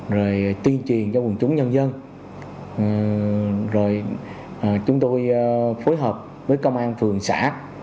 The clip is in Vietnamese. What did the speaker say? rồi tuyên truyền cho quần chúng nhân dân rồi chúng tôi phối hợp với công an phường xã